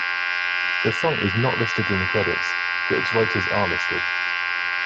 The song is not listed in the credits, but its writers are listed.